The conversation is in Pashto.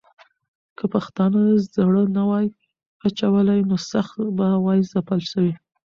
که پښتانه زړه نه وای اچولی، نو سخت به وای ځپل سوي.